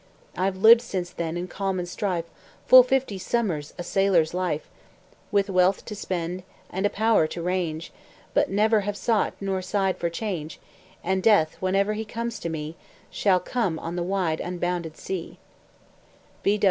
I've lived since then, in calm and strife, Full fifty summers a sailor's life, With wealth to spend, and a power to range, But never have sought nor sighed for change; And Death whenever he comes to me, Shall come on the wide unbounded Sea!